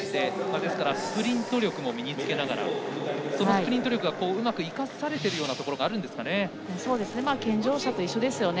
ですから、スプリント力も身につけながらそのスプリント力がうまく生かされているようなところが健常者と一緒ですよね。